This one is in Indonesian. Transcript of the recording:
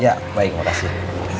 ya baik makasih